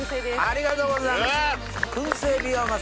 ありがとうございます。